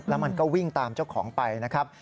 แล้วมันก็วิ่งตามเจ้าของไปนะครับ